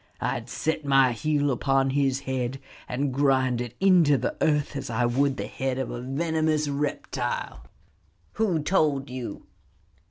I would set my heel upon his head and grind it into the earth as I would the head of a venomous reptile." "Who told you?"